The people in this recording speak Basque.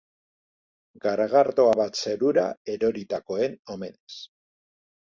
Garagardoa bat zerura eroritakoen omenez.